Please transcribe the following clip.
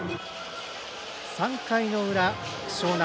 ３回の裏、樟南。